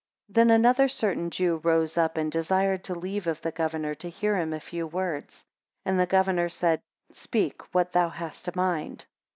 12 Then another certain Jew rose up, and desired leave of the governor to hear him a few words. 13 And the governor said, Speak, what thou hast a mind.